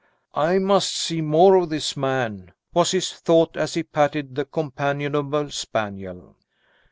"I must see more of this man," was his thought, as he patted the companionable spaniel.